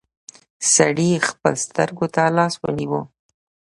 سړي خپلو سترګو ته لاس ونيو.